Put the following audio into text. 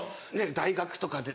大学とか。